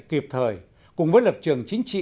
kịp thời cùng với lập trường chính trị